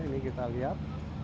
ini kita lihat